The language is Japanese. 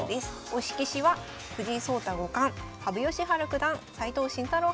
推し棋士は藤井聡太五冠羽生善治九段斎藤慎太郎